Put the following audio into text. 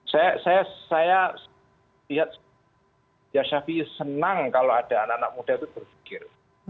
saya saya saya lihat ya syafiq senang kalau ada anak anak muda itu berfikir